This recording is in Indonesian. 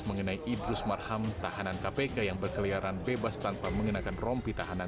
mengenai idrus marham tahanan kpk yang berkeliaran bebas tanpa mengenakan rompi tahanan